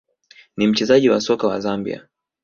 ni mchezaji wa soka wa Zambia